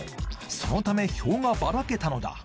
そのため票がバラけたのだ